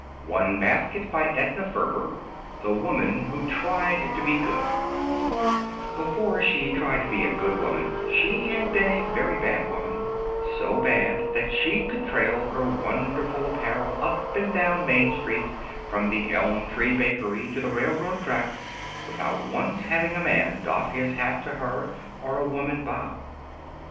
remainder not included The Woman Who Tried to Be Good Before she tried to be a good woman she had been a very bad woman so bad that she could trail her wonderful apparel up and down Main Street, from the Elm Tree Bakery to the railroad tracks, without once having a man doff his hat to her or a woman bow.